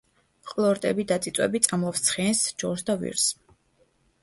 ყლორტები და წიწვები წამლავს ცხენს, ჯორს და ვირს.